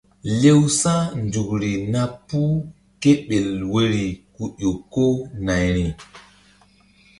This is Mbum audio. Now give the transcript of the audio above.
Lewsa̧nzukri na puh kéɓel woyri ku ƴo ko nayri.